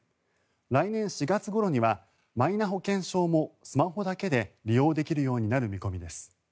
来年４月ごろにはマイナ保険証もスマホだけで利用できるようになる見込みです。